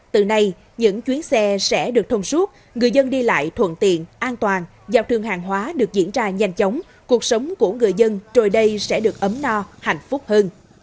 từ nay những chuyến xe sẽ được thông suốt người dân đi lại thuận tiện an toàn giao thương hàng hóa được diễn ra nhanh chóng cuộc sống của người dân trồi đây sẽ được ấm no hạnh phúc hơn